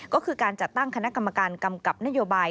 ก็คือการจัดตั้งคณะกรรมการกำกับนโยบาย